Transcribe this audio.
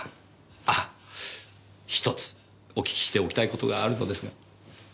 あっ１つお聞きしておきたいことがあるのですが。